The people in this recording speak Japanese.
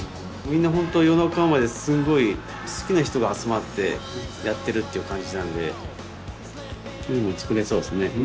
みんな本当夜中まですごい好きな人が集まってやってるっていう感じなんでいいもの作れそうですね。